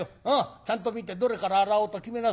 ちゃんと見てどれから洗おうと決めなさい。